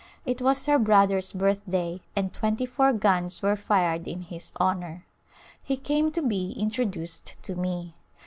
It was her brother*s birthday and twenty four guns were fired in his honor. He came to be introduced to me.